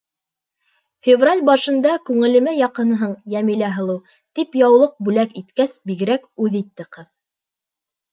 Февраль башында, күңелемә яҡынһың, Йәмилә һылыу, тип яулыҡ бүләк иткәс, бигерәк үҙ итте ҡыҙ.